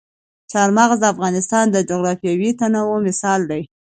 چار مغز د افغانستان د جغرافیوي تنوع مثال دی.